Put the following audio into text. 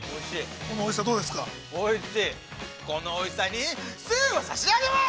このおいしさに、スーを差し上げます。